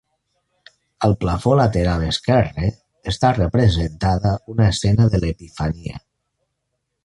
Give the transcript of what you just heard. Al plafó lateral esquerre està representada una escena de l'Epifania.